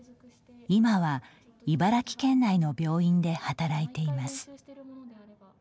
今は、茨城県内の病院で働いています。